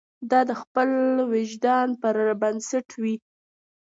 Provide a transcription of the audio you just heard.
دا د خپل وجدان پر بنسټ وي.